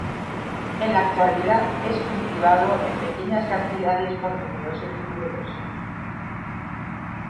En la actualidad es cultivado en pequeñas cantidades por numerosos viveros.